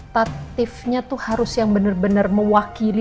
tentatifnya tuh harus yang bener bener mewakili